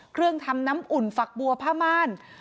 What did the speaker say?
เครื่องทำน้ำอุ่นฝักบัวผ้าม่าน